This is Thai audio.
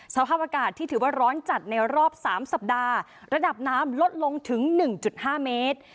สภาพอากาศที่ถือว่าร้อนจัดในรอบ๓สัปดาห์ระดับน้ำลดลงถึง๑๕เมตร